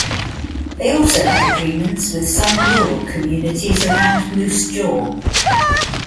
They also have agreements with some rural communities around Moose Jaw.